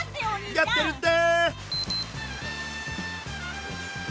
やってるって！